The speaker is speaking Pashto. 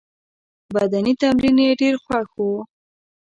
بدني تمرین یې ډېر خوښ وو.